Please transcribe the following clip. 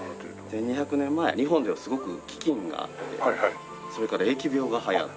１２００年前日本ではすごく飢饉があってそれから疫病が流行って。